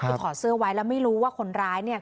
คือถอดเสื้อไว้แล้วไม่รู้ว่าคนร้ายเนี่ย